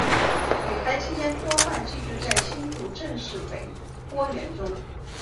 旅台期间多半寄居在新竹郑氏北郭园中。